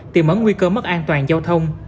tiềm ấn nguy cơ mất an toàn giao thông